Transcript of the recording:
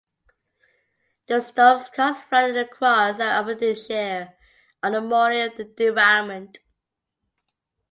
The storms caused flooding across Aberdeenshire on the morning of the derailment.